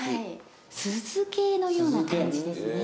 酢漬けのような感じですね。